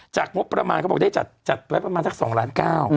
งบประมาณเขาบอกได้จัดไว้ประมาณสัก๒ล้านเก้า